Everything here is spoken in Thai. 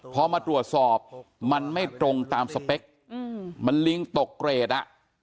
พอมาตรวจสอบมันไม่ตรงตามสเปคมันลิงตกเกรดอ่ะ